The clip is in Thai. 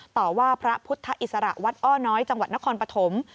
ต่อว่าพระพุทธอิสระวัดอ้อน้อยจังหวัดนครปฐม